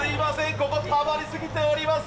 ここたまり過ぎております。